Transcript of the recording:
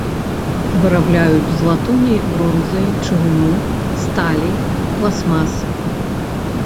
Вырабляюць з латуні, бронзы, чыгуну, сталі, пластмас.